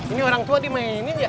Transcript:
ini orang tua dimainin